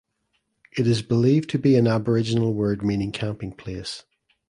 It is believe to be an Aboriginal word meaning "camping place".